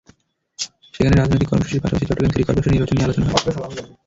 সেখানে রাজনৈতিক কর্মসূচির পাশাপাশি চট্টগ্রাম সিটি করপোরেশন নির্বাচন নিয়ে আলোচনা হয়।